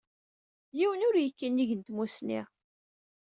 Yiwen ur yekki nnig n tmusni.